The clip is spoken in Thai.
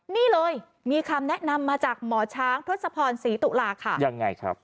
นี่เลยมีคำแนะนำมาจากหมอช้างทศพรศรีตุลาค่ะยังไงครับ